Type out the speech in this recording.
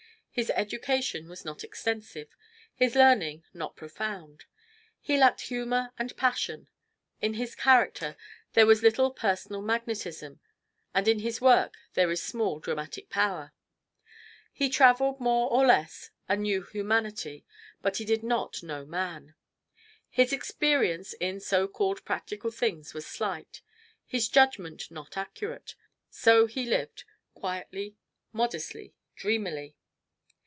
His education was not extensive, his learning not profound. He lacked humor and passion; in his character there was little personal magnetism, and in his work there is small dramatic power. He traveled more or less and knew humanity, but he did not know man. His experience in so called practical things was slight, his judgment not accurate. So he lived quietly, modestly, dreamily.